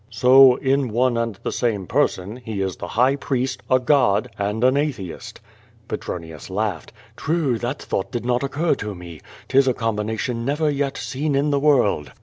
"So, in one and the same person, he is the High Priest, n god, and an atheist." Petronius laughed. "True, that thought did not occur to (JiO VADIS. 267 me. 'Tis a combination never yet seen in the world.